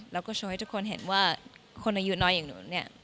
แล้วก็โชว์ให้ทุกคนเห็นว่าคนอายุน้อยอย่างหนูเนี่ย